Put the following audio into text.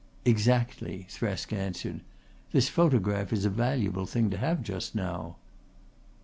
"Exactly," Thresk answered. "This photograph is a valuable thing to have just now."